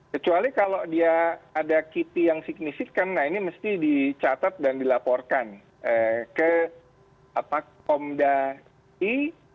kecuali kalau dia ada kiti yang signifikan nah ini mesti dicatat dan dilaporkan ke komda i